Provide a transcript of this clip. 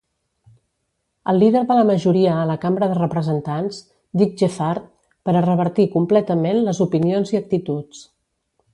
El líder de la majoria a la Cambra de Representants, Dick Gephardt, per a revertir completament les opinions i actituds.